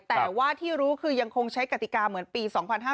แต่ว่าที่รู้คือยังคงใช้กติกาเหมือนปี๒๕๕๙